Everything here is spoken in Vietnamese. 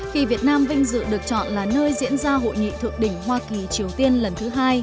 khi việt nam vinh dự được chọn là nơi diễn ra hội nghị thượng đỉnh hoa kỳ triều tiên lần thứ hai